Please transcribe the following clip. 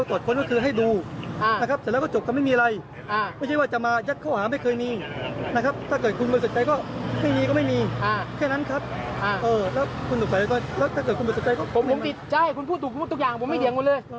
ผมติดใช่คุณพูดถูกอย่างผมไม่เห็นว่ะเลย